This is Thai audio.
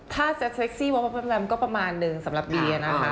ถ้าเซ็ปเซ็กซี่วอลพันธ์ก็ประมาณนึงสำหรับเบียร์นะคะ